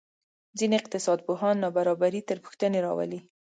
ځینې اقتصادپوهان نابرابري تر پوښتنې راولي.